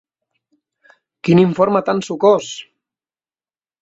Quin informe tan sucós!